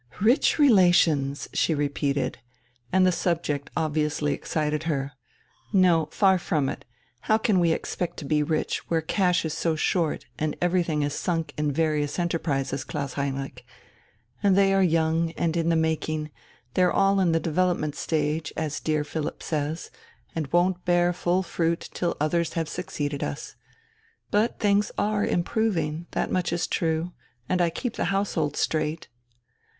"Rich relations!" she repeated, and the subject obviously excited her. "No, far from it; how can we expect to be rich, where cash is so short and everything is sunk in various enterprises, Klaus Heinrich? And they are young and in the making, they're all in the development stage, as dear Philipp says, and won't bear full fruit till others have succeeded us. But things are improving, that much is true, and I keep the household straight...."